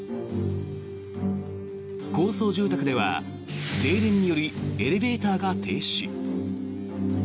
高層住宅では停電によりエレベーターが停止。